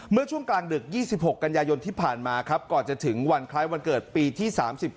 เมื่อช่วงกลางดึก๒๖กันยายนที่ผ่านมาครับก่อนจะถึงวันคล้ายวันเกิดปีที่๓๙